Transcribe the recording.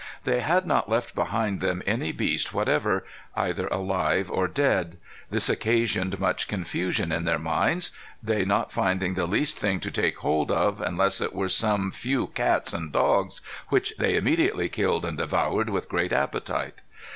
"They had not left behind them any beast whatever, either alive or dead. This occasioned much confusion in their minds; they not finding the least thing to take hold of, unless it were some few cats and dogs, which they immediately killed and devoured with great appetite.